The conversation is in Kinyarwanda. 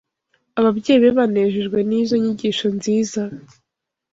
Ababyeyi be banejejwe n’izo nyigisho nziza